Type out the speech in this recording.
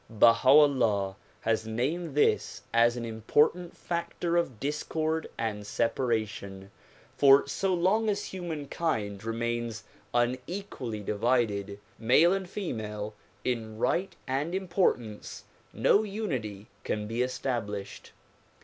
Baha 'Ullah has named this as an im portant factor of discord and separation, for so long as humankind remains unequally divided, male and female in right and im portance, no unity can be established.